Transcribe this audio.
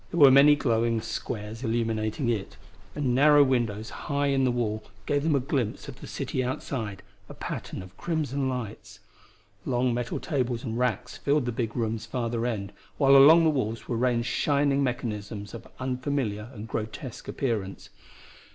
There were many glowing squares illuminating it, and narrow windows high in the wall gave them a glimpse of the city outside, a pattern of crimson lights. Long metal tables and racks filled the big room's farther end, while along the walls were ranged shining mechanisms of unfamiliar and grotesque appearance.